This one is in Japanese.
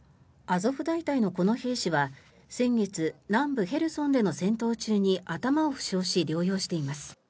アゾフ大隊のこの兵士は先月、南部ヘルソンでの戦闘中に頭を負傷し、療養しています。